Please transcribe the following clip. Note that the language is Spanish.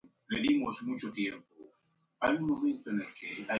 Juega como Centrocampista Defensivo.